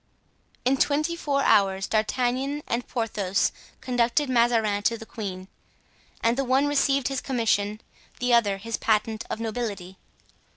In twenty four hours D'Artagnan and Porthos conducted Mazarin to the queen; and the one received his commission, the other his patent of nobility.